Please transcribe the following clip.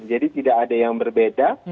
jadi tidak ada yang berbeda